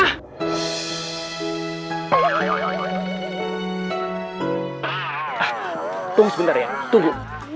hai tunggu sebentar ya tunggu